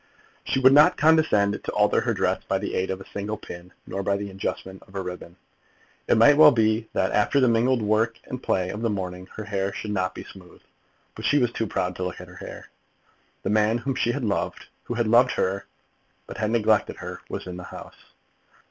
She would not condescend to alter her dress by the aid of a single pin, or by the adjustment of a ribbon. It might well be that, after the mingled work and play of the morning, her hair should not be smooth; but she was too proud to look at her hair. The man whom she had loved, who had loved her but had neglected her, was in the house.